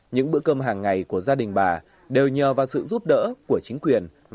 những bữa cơm hàng ngày của gia đình bà đều nhờ vào sự giúp đỡ của chính quyền